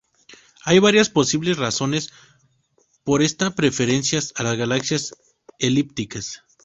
Hay varias posibles razones por esta preferencias a las galaxias elípticas.